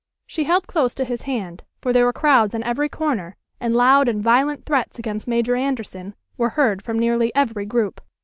She held close to his hand, for there were crowds on every corner, and loud and violent threats against Major Anderson were heard from nearly every group.